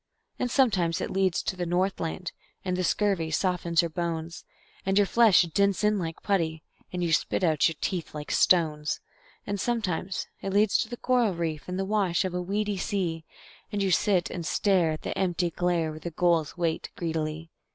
And sometimes it leads to the Northland, and the scurvy softens your bones, And your flesh dints in like putty, and you spit out your teeth like stones. And sometimes it leads to a coral reef in the wash of a weedy sea, And you sit and stare at the empty glare where the gulls wait greedily.